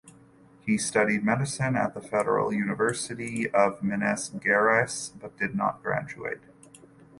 He studied medicine at the Federal University of Minas Gerais but did not graduate.